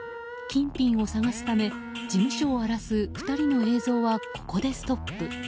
金品を探すため事務所を荒らす２人の映像はここでストップ。